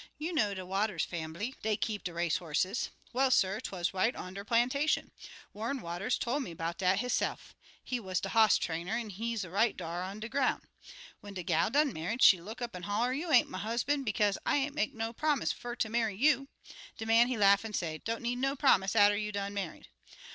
You know de Waters fambly dey kep' race hosses. Well, suh, 'twuz right on der plantation. Warren Waters tol' me 'bout dat hisse'f. He wuz de hoss trainer, an' he 'uz right dar on de groun'. When de gal done married, she look up an' holler, 'You ain't my husban', bekaze I ain't make no promise fer ter marry you.' De man he laugh, an' say, 'Don't need no promise atter you done married.'